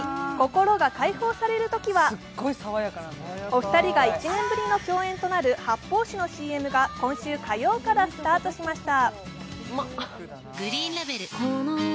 お二人が１年ぶりの共演となる発泡酒のＣＭが今週火曜からスタートしました。